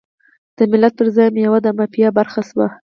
د ملت پر ځای میوه د مافیا برخه شوه.